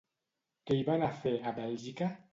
Què hi va anar a fer, a Bèlgica?